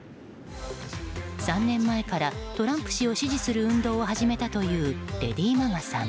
３年前からトランプ氏を支持する運動を始めたというレディー・マガさん。